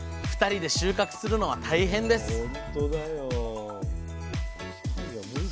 ２人で収穫するのは大変です